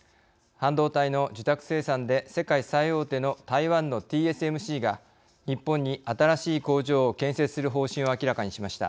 半導体の受託生産で世界最大手の台湾のＴＳＭＣが日本に新しい工場を建設する方針を明らかにしました。